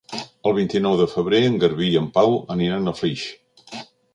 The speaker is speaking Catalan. El vint-i-nou de febrer en Garbí i en Pau aniran a Flix.